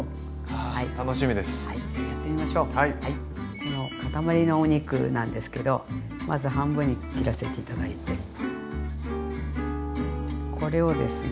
この塊のお肉なんですけどまず半分に切らせて頂いてこれをですね